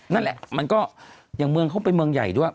นั่นแหละมันก็อย่างเมืองเขาเป็นเมืองใหญ่ด้วย